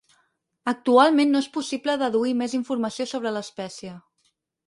Actualment no és possible deduir més informació sobre l'espècie.